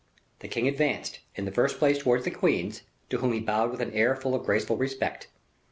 The king advanced, in the first place, towards the queens, to whom he bowed with an air full of graceful respect.